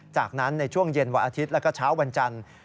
จากนั้นในช่วงเย็นวันอาทิตย์แล้วก็เช้าวันจันทร์